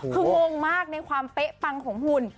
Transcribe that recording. คืองงมากในความเป๊ะปังของหุ่น